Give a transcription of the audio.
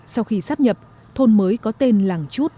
sau khi sát nhập thôn mới có tên là